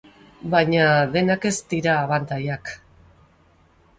Baina denak ez dira abantailak.